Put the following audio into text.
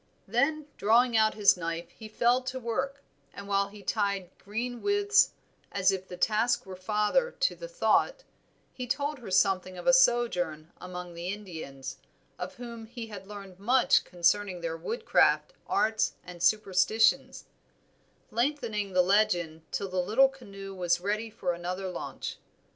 Then drawing out his knife he fell to work, and while he tied green withes, as if the task were father to the thought, he told her something of a sojourn among the Indians, of whom he had learned much concerning their woodcraft, arts, and superstitions; lengthening the legend till the little canoe was ready for another launch.